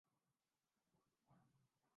ہم جادو یا معجزے کے منتظر ہیں۔